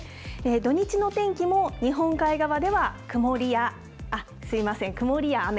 土日の天気も、日本海側では曇りや、すみません、曇りや雨。